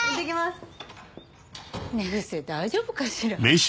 寝癖大丈夫かしら。